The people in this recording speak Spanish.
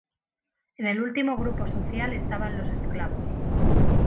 En el último grupo social estaban los esclavos.